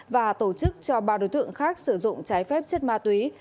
và tổ chức cho ba đối tượng khác sử dụng trái phép chất ma túy